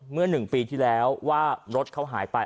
เมื่อ๑ปีที่แล้วว่ารถเขาหายไป